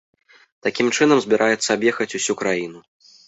Такім чынам збіраецца аб'ехаць усю краіну.